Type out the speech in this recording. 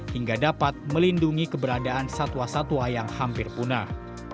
hingga dapat melindungi keberadaan satwa satwa yang hampir punah